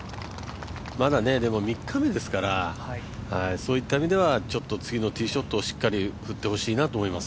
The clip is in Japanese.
まだ３日目ですから、ちょっと次のティーショットをしっかり振ってほしいなと思います。